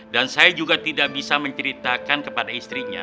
dan saya juga tidak bisa menceritakan kepada istrinya